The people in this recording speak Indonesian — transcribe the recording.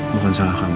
bukan salah kamu